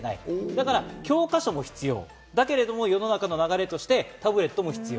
だから教科書も必要だけれども、世の中の流れとしてタブレットも必要。